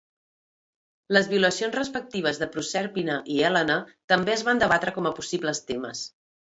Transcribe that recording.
Les violacions respectives de Prosèrpina i Hèlena també es van debatre com a possibles temes.